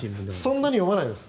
そんなに読まないです。